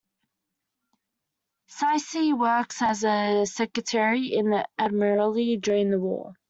Cicely worked as a secretary in the Admiralty during the war.